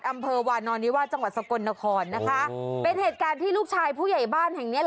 อำเภอวานอนิวาจังหวัดสกลนครนะคะเป็นเหตุการณ์ที่ลูกชายผู้ใหญ่บ้านแห่งเนี้ย